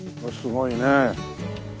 すごいねえ。